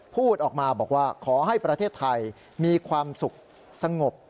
พูดออกมาบอกว่าขอให้ประเทศไทยมีความสุขสงบ